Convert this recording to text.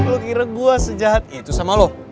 lu kira gue sejahat itu sama lu